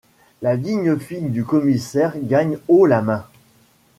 La digne fille du commissaire gagne haut la main.